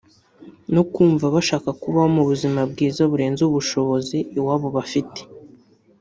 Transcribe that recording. no kumva bashaka kubaho mu buzima bwiza burenze ubushobozi iwabo bafite